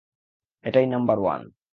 এটাই number one!